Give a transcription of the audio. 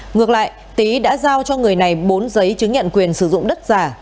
ngược lại tý đã giao cho người này bốn giấy chứng nhận quyền sử dụng đất giả